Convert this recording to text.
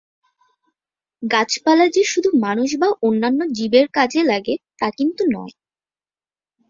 গাছপালা যে শুধু মানুষ বা অন্যান্য জীবের কাজে লাগে তা কিন্তু নয়।